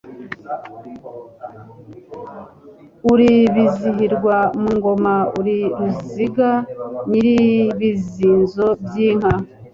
Uri Bizihirwa mu ngoma Uri Ruziga nyiri ibizinzo by'inka,